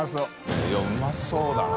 Αいやうまそうだな